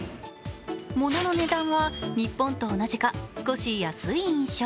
物の値段は日本と同じか少し安い印象。